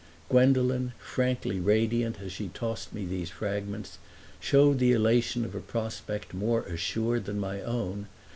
Gwendolen, frankly radiant as she tossed me these fragments, showed the elation of a prospect more assured than my own.